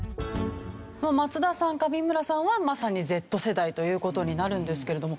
松田さん上村さんはまさにＺ世代という事になるんですけれども。